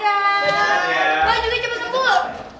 lo juga cepet sembuh